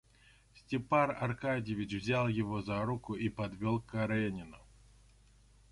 Степан Аркадьич взял его за руку и подвел к Каренину.